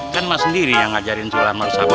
kan mak sendiri yang ngajarin sulam harus sabar